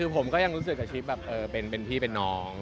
ผมก็ยักษ์แบบเป็นพี่เป็นน้อง